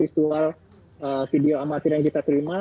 visual video amatir yang kita terima